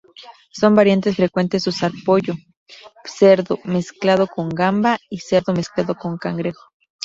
Son variantes frecuentes usar pollo, cerdo mezclado con gamba y cerdo mezclado con cangrejo.